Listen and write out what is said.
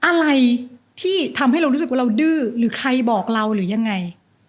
อะไรที่ทำให้เรารู้สึกว่าเราดื้อหรือใครบอกเราหรือยังไง